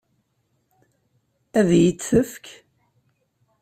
Ad iyi-t-tefk?